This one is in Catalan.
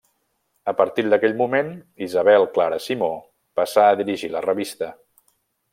A partir d'aquell moment Isabel-Clara Simó passà a dirigir la revista.